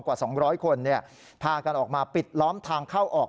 กว่า๒๐๐คนพากันออกมาปิดล้อมทางเข้าออก